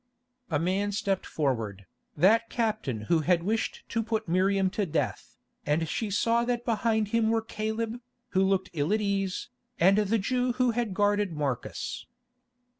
A man stepped forward, that captain who had wished to put Miriam to death, and she saw that behind him were Caleb, who looked ill at ease, and the Jew who had guarded Marcus.